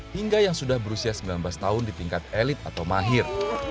hingga yang sudah berusia sembilan belas tahun di tingkat elit atau mahir